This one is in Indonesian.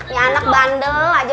ya anak bandel aja